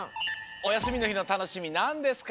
おやすみのひのたのしみなんですか？